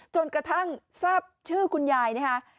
จนกระทั่งทราบชื่อคุณยายนะคะ